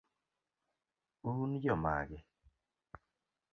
un jomage?